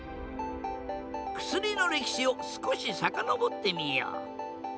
薬の歴史を少し遡ってみよう。